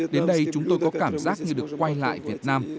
đến đây chúng tôi có cảm giác như được quay lại việt nam